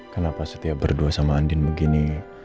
kenapa setiap berdua sama andin begini